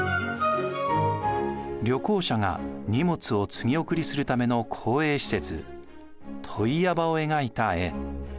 旅行者が荷物を継ぎ送りするための公営施設問屋場を描いた絵。